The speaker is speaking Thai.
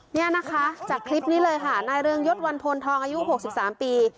เนี่ยนะคะจากคลิปนี้เลยค่ะนายเรืองยศวันพลทองอายุ๖๓ปี